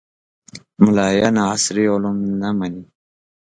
ملایان عصري علوم نه مني